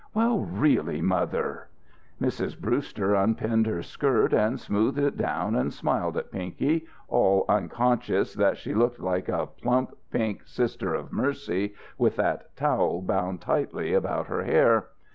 "Well, really, mother!" Mrs. Brewster unpinned her skirt and smoothed it down and smiled at Pinky, all unconscious that she looked like a plump, pink Sister of Mercy with that towel bound tightly about her hair.